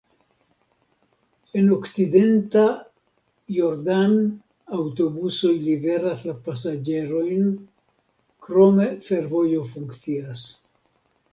En Okcidenta Jordan aŭtobusoj liveras la pasaĝerojn, krome fervojo funkcias.